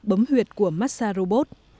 bấm huyệt của massabot